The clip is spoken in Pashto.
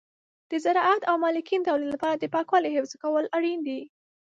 د زراعت او مالګین تولید لپاره د پاکوالي حفظ کول اړین دي.